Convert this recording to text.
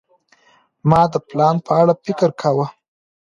ما د پلان په اړه فکر کاوه.